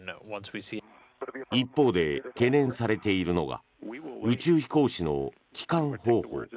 一方で懸念されているのが宇宙飛行士の帰還方法。